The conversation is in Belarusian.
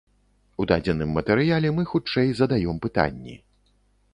У дадзеным матэрыяле мы, хутчэй, задаём пытанні.